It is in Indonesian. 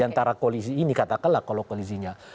antara koalisi ini katakanlah kalau koalisinya